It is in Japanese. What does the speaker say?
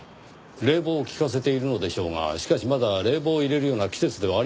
冷房を効かせているのでしょうがしかしまだ冷房を入れるような季節ではありませんからねぇ。